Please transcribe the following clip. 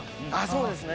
そうですね。